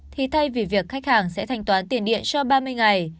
thì thay vì việc khách hàng sẽ thanh toán tiền điện cho ba mươi ngày